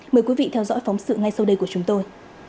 mời quý vị theo dõi phóng sự ngay sau đây của chúng tôi